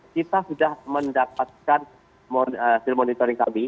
kita sudah mendapatkan hasil monitoring kami